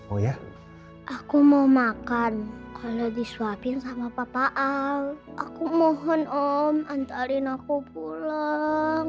oh ya aku mau makan kalau disuapin sama papaan aku mohon om antarin aku pulang